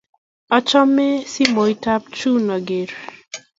Amache simoit ab Jane aker